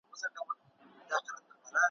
پکښي ډوب کړه دازمازړګی غمګین